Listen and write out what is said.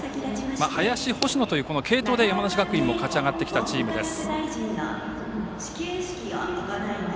林、星野という継投で勝ち上がってきたチームです。